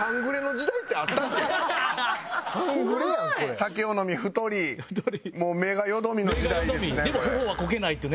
酒を飲み太りもう目がよどみの時代ですね。